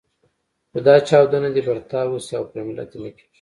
خو دا چاودنه دې پر تا وشي او پر ملت دې نه کېږي.